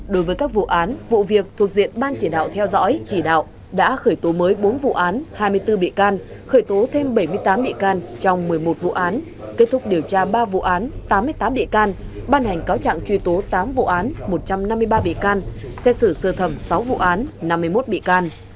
đối với các vụ án vụ việc thuộc diện ban chỉ đạo theo dõi chỉ đạo đã khởi tố mới bốn vụ án hai mươi bốn bị can khởi tố thêm bảy mươi tám bị can trong một mươi một vụ án kết thúc điều tra ba vụ án tám mươi tám bị can ban hành cáo trạng truy tố tám vụ án một trăm năm mươi ba bị can xét xử sơ thẩm sáu vụ án năm mươi một bị can